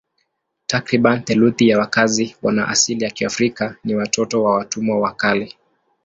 Takriban theluthi ya wakazi wana asili ya Kiafrika ni watoto wa watumwa wa kale.